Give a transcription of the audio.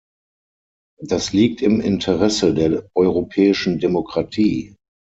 Das liegt im Interesse der europäischen Demokratie.